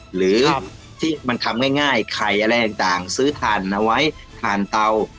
หรือที่มันทำง่ายไข่อะไรต่างซื้อถ่านเอาไว้ถ่านเตา